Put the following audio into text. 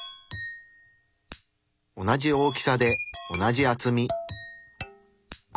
同じ大きさで同じ厚み。